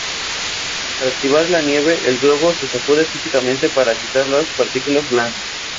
Para activar la nieve, el globo se sacude físicamente para agitar las partículas blancas.